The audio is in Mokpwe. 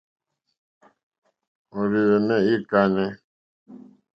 Òrzìhwɛ̀mɛ́ î kánɛ́.